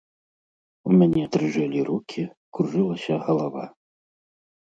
У мяне дрыжэлі рукі, кружылася галава.